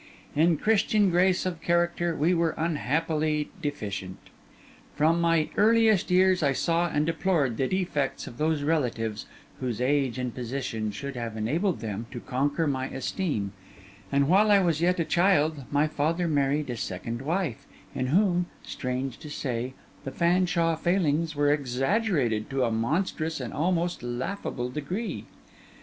In Christian grace of character we were unhappily deficient. From my earliest years I saw and deplored the defects of those relatives whose age and position should have enabled them to conquer my esteem; and while I was yet a child, my father married a second wife, in whom (strange to say) the Fanshawe failings were exaggerated to a monstrous and almost laughable degree.